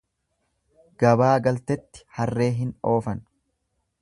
Gabaa galtetti harree hin oofan.